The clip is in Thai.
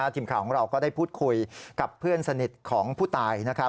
ทีมข่าวของเราก็ได้พูดคุยกับเพื่อนสนิทของผู้ตาย